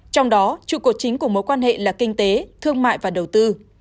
trong đó trụ cột chính của mối quan hệ là kinh tế thương mại và đầu tư